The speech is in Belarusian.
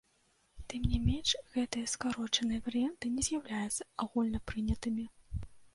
Тым не менш, гэтыя скарочаныя варыянты не з'яўляюцца агульнапрынятымі.